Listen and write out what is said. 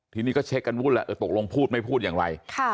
ทีนี้ก็เช็คกันวุ่นแหละเออตกลงพูดไม่พูดอย่างไร